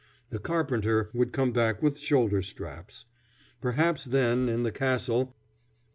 The carpenter would come back with shoulder straps. Perhaps then, in the castle...